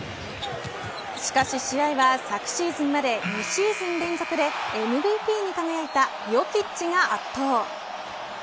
昨シーズンまで２シーズン連続でＭＶＰに輝いたヨキッチが圧倒。